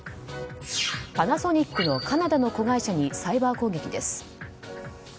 パナソニックのカナダの子会社にサイバー攻撃です。